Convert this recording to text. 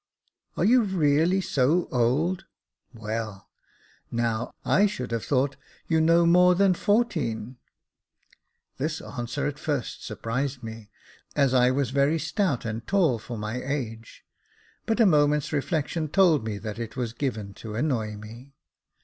" Are you really so old ! well, now, I should have thought you no more than fourteen." This answer at first surprised me, as I was very stout and tall for my age; but a moment's reflection told me that it was given to annoy me.